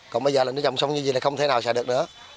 còn bây giờ nó trồng xong như vậy là không thể nào sử dụng được nữa